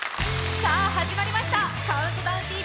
さあ、始まりました！